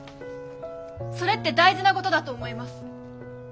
それって大事なことだと思います。